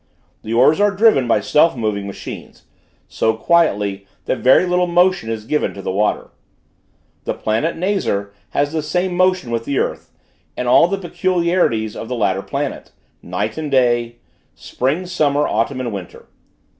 The oars are driven by self moving machines, so quietly that very little motion is given to the water. The planet Nazar has the same motion with the earth, and all the peculiarities of the latter planet: night and day; spring, summer, autumn, and winter.